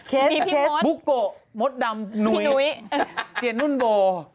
เคสฟิฟร์หมดใหม่โตหมดดำหนุ้ยเจนนุ่นโบ